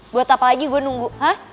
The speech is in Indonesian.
buat apa lagi gue nunggu